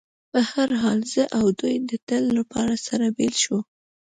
په هر حال، زه او دوی د تل لپاره سره بېل شو.